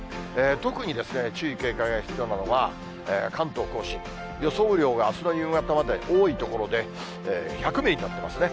特に注意、警戒が必要なのが、関東甲信、予想雨量があすの夕方まで、多い所で、１００ミリになってますね。